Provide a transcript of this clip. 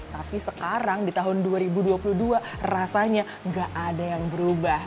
tapi sekarang di tahun dua ribu dua puluh dua rasanya gak ada yang berubah